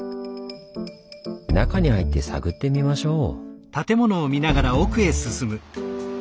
中に入って探ってみましょう！